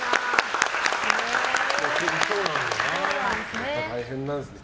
やっぱり大変なんですね。